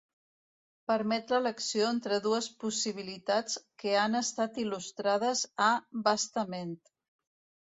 Permet l'elecció entre dues possibilitats que han estat il·lustrades a bastament.